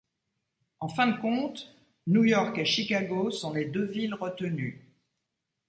En fin de compte, New York et Chicago sont les deux villes retenues.